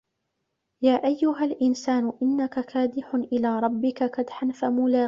يا أَيُّهَا الإِنسانُ إِنَّكَ كادِحٌ إِلى رَبِّكَ كَدحًا فَمُلاقيهِ